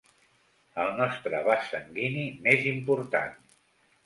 El nostre vas sanguini més important.